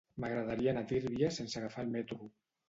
M'agradaria anar a Tírvia sense agafar el metro.